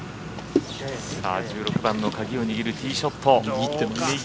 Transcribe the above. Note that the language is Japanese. １６番の鍵を握るティーショット。